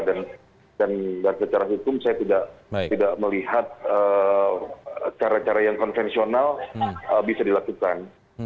dan secara hukum saya tidak melihat cara cara yang konvensional bisa dilakukan